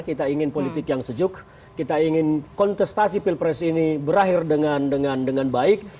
kita ingin politik yang sejuk kita ingin kontestasi pilpres ini berakhir dengan baik